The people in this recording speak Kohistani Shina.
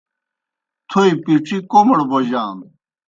تھوئے پِڇِی کوْمَڑ بوجانو۔